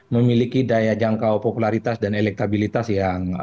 memiliki daya jangkau popularitas dan elektabilitas yang